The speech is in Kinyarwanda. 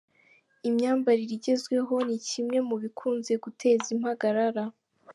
Imyambarire igezweho ni kimwe mu bikunze guteza impagarara.